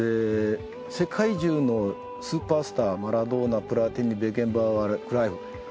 世界中のスーパースターマラドーナプラティニベッケンバウアークライフ。